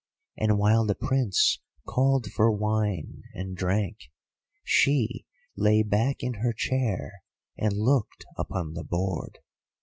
And while the Prince called for wine and drank, she lay back in her chair and looked upon the board.